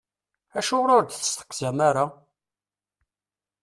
Acuɣer ur d-testeqsam ara?